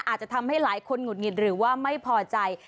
อาจจะทำให้หลายคนหงุดหงิดหรือว่าไม่พอใจ